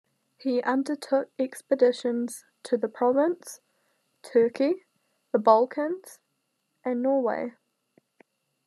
He undertook expeditions to the Provence, Turkey, the Balkans, and Norway.